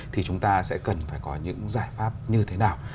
thì chúng ta sẽ cần phải có những giải pháp như thế nào